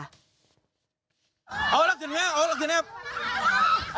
สงสัยดินนักฐานดังนั้นสามารถปลุกเริ่มหิมปลัย